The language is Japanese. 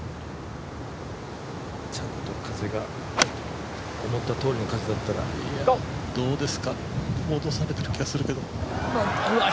ちょっと風が思ったとおりの風だったらどうですか、戻されてる気がするけど。